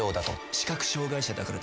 視覚障害者だからです」